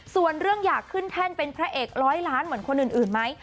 ส่วนเรื่องอยากขึ้นแท่นเป็นพระเอกร้อยล้านเหมือนคนอื่นไหม